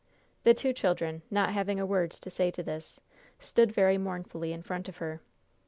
The two children, not having a word to say to this, stood very mournfully in front of her.